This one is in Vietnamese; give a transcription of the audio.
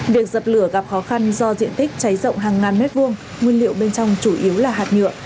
việc dập lửa gặp khó khăn do diện tích cháy rộng hàng ngàn mét vuông nguyên liệu bên trong chủ yếu là hạt nhựa